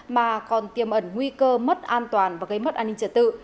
mà còn tiêm ẩn nguy cơ mất an toàn và gây mất an ninh trật tự